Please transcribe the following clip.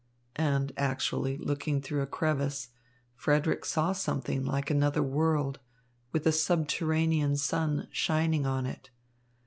And, actually, looking through a crevice, Frederick saw something like another world, with a subterranean sun shining on it.